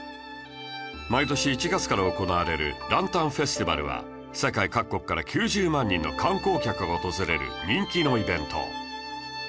毎年１月から行われるランタンフェスティバルは世界各国から９０万人の観光客が訪れる人気のイベント